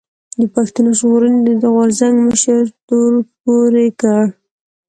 د پښتون ژغورنې د غورځنګ مشر تور پورې کړ